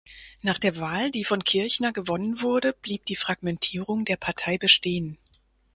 Nach der Wahl, die von Kirchner gewonnen wurde, blieb die Fragmentierung der Partei bestehen.